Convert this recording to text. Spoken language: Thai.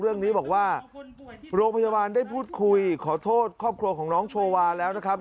โรงพยาบาลได้พูดคุยขอโทษครอบครัวของน้องโชวาแล้วนะครับ